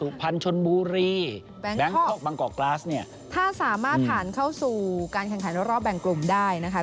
แบงคอกบางกอกกราสเนี่ยถ้าสามารถผ่านเข้าสู่การแข่งขันรอบแบ่งกลุ่มได้นะคะ